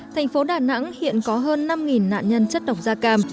thành phố đà nẵng hiện có hơn năm nạn nhân chất độc da cam